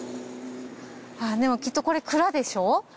でもきっとこれ蔵でしょ？